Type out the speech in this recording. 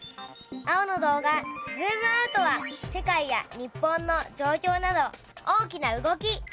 青の動画「ズームアウト」は世界や日本のじょうきょうなど大きな動き。